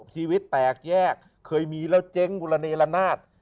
ชีวิตแตกแยกเคยมีแล้วเจ๊งแบบอุลานีลานาุทร์